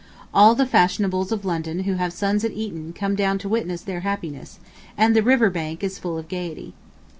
All the fashionables of London who have sons at Eton come down to witness their happiness, and the river bank is full of gayety.